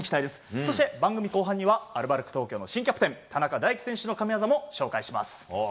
そして、番組後半にはアルバルク東京の新キャプテン田中大貴選手の神技も紹介します。